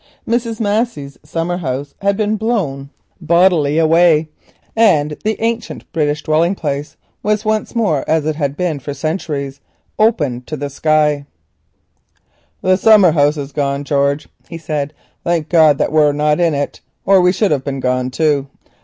Mrs. Massey's summer house had been blown bodily away, and the "ancient British Dwelling Place" was once more open to the sky, as it had been for centuries. "The summer house has gone, George," he said. "Thank goodness that we were not in it, or we should have gone too."